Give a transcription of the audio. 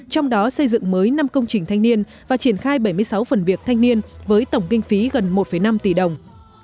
trong đó xây dựng mới năm công trình thanh niên và triển khai bảy mươi sáu phần việc thanh niên với tổng kinh phí gần một năm tỷ đồng